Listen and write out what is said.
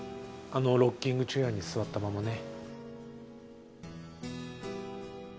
あのロッキングチェアに座ったままね。